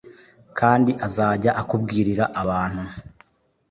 kandi azajya akubwirira abantu